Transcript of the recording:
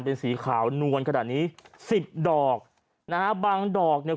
เป็นสีขาวนวลขนาดนี้สิบดอกนะฮะบางดอกเนี่ย